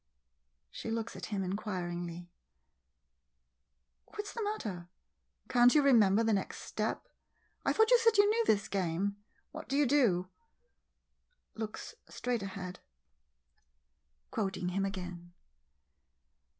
[She looks at him inquiringly.] 2 9 MODERN MONOLOGUES What 's the matter ? Can't you remember the next step ? I thought you said you knew this game? What do you do? [Looks straight ahead, quoting him again.